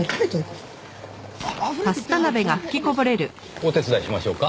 お手伝いしましょうか？